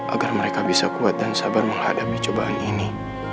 agar mereka bisa kuat dan sabar menghadapi cobaan ini